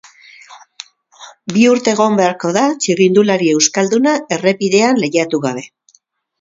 Bi urte egon beharko da txirrindulari euskalduna errepidean lehiatu gabe.